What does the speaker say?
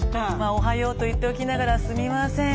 おはようと言っておきながらすみません。